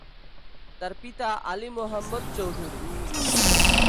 তার পিতা আলী মোহাম্মদ চৌধুরী।